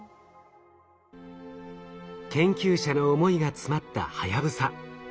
研究者の思いが詰まったはやぶさ。